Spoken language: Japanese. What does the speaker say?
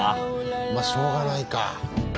まあしょうがないか。